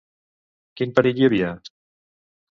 Quin perill hi havia?